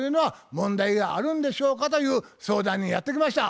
問題があるんでしょうかという相談にやって来ました。